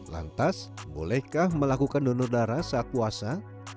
lantas bolehkah melakukan donor darah saat puasa